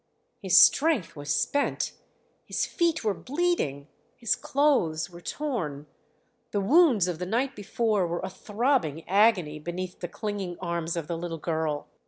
His strength was spent, his feet were bleeding, his clothes were torn, the wounds of the night before were a throbbing agony beneath the clinging arms of the little girl.